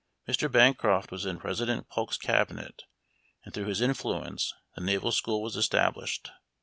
Mr. Bancroft was in President Polk's cabinet, and through his influence the Naval School was established.